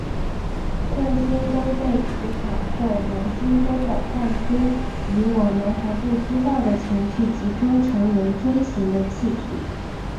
这些都被磁场或联星中的伴星以我们还不知道的程序集中成为锥形的气体。